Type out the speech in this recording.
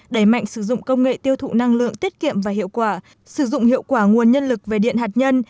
đẩy mạnh sử dụng công nghệ tiêu thụ năng lượng tiết kiệm và hiệu quả sử dụng hiệu quả nguồn nhân lực về điện hạt nhân